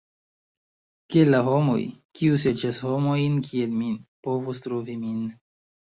Kiel la homoj, kiuj serĉas homojn kiel min, povus trovi min?